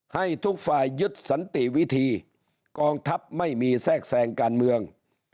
ให้ทุกฝ่ายยึดสันติวิธีกองทัพไม่มีแทรกแทรงการเมือง